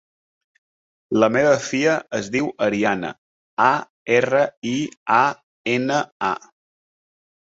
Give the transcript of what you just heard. La meva filla es diu Ariana: a, erra, i, a, ena, a.